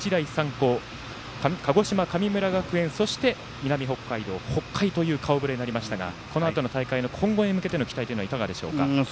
高鹿児島の神村学園そして、南北海道、北海という顔ぶれになりましたがこのあとの大会の今後に向けていかがでしょうか？